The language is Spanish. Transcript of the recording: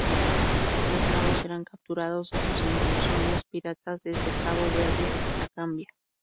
Los esclavos eran capturados de sus incursiones piratas desde Cabo Verde hasta Gambia.